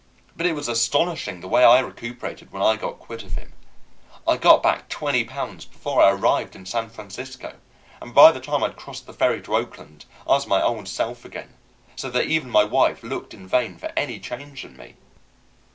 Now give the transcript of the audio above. But it was astonishing the way I recuperated when I got quit of him. I got back twenty pounds before I arrived in San Francisco, and by the time I'd crossed the ferry to Oakland I was my old self again, so that even my wife looked in vain for any change in me.